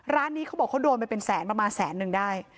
ร้านนี้เขาบอกเขาโดนไปเป็นแสนประมาณแสนนึงได้